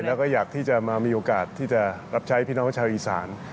แล้วก็อยากที่จะมามีโอกาสที่จะรับใช้พี่น้องชาวอีสาน